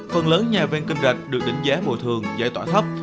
phần lớn nhà ven kinh rạch được đỉnh giá bồi thường giải tỏa thấp